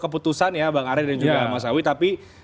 keputusan ya bang arya dan juga mas awi tapi